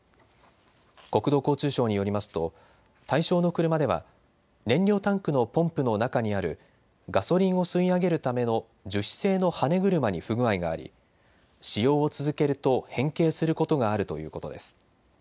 国土交通省によりますと対象の車では燃料タンクのポンプの中にあるガソリンを吸い上げるための樹脂製の羽根車に不具合があり使用を続けると変形することがあるということです。